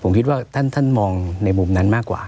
ผมคิดว่าท่านมองในมุมนั้นมากกว่า